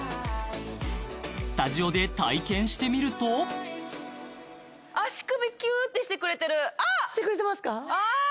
スタジオで体験してみると足首キューッてしてくれてるしてくれてますか？